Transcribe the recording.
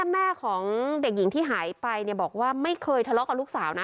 แม่ของเด็กหญิงที่หายไปบอกว่าไม่เคยทะเลาะกับลูกสาวนะ